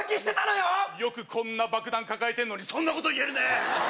よくこんな爆弾抱えてるのにそんなこと言えるね！